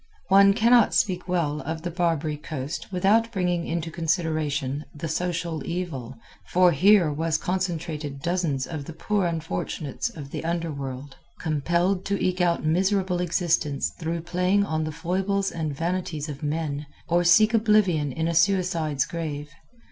One cannot well speak of the Barbary Coast without bringing into consideration the Social Evil, for here was concentrated dozens of the poor unfortunates of the underworld, compelled to eke out miserable existence through playing on the foibles and vanities of men, or seek oblivion in a suicide's grave.